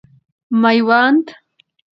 میوند